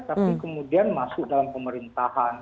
tapi kemudian masuk dalam pemerintahan